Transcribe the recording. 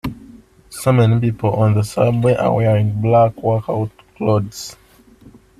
So many people on the subway are wearing black workout clothes.